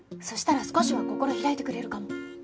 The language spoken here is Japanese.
そしたら少しは心開いてくれるかも。